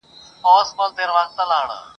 او په دواړو یې له مځکي را ویشتل وه ..